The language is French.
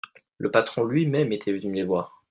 Le patron lui-même était venu les voir.